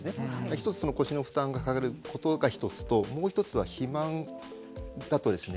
一つ腰の負担がかかることが一つともう一つは肥満だとですね